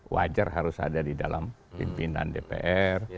wajar harus ada di dalam pimpinan dpr